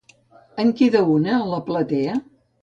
En queda una a la platea?